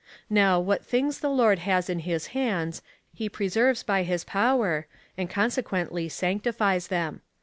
Now, what things the Lord has in his hands, he preserves by his power, and consequently sanctifies them.